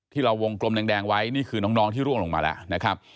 ที่เราวงกลมแดงไว้นี่คือน้องที่ร่วงลงมาแล้วนะครับ